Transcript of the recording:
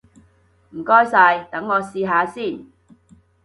唔該晒，等我試下先！